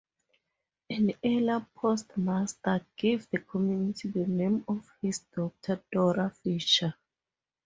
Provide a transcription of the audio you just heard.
An early postmaster gave the community the name of his daughter, Dora Fischer.